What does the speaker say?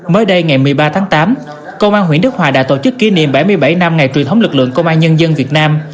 mới đây ngày một mươi ba tháng tám công an huyện đức hòa đã tổ chức kỷ niệm bảy mươi bảy năm ngày truyền thống lực lượng công an nhân dân việt nam